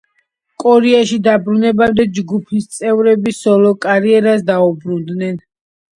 კორეაში დაბრუნებამდე ჯგუფის წევრები სოლო კარიერას დაუბრუნდნენ.